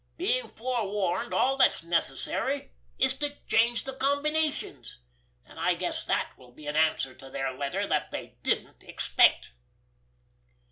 Being forewarned, all that's necessary is to change the combinations. And I guess that will be an answer to their letter that they didn't expect!"